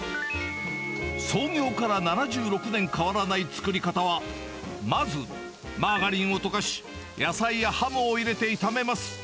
創業から７６年変わらない作り方は、まずマーガリンを溶かし、野菜やハムを入れて炒めます。